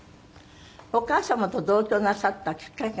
お母様と同居なさったきっかけがあったの？